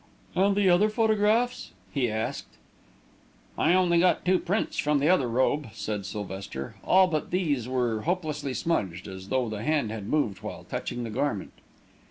"And the other photographs?" he asked. "I got only two prints from the other robe," said Sylvester. "All but these were hopelessly smudged, as though the hand had moved while touching the garment."